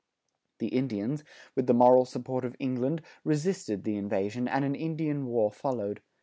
The Indians, with the moral support of England, resisted the invasion, and an Indian war followed.